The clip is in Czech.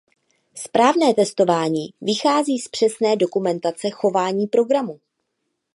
Správné testování vychází z přesné dokumentace chování programu.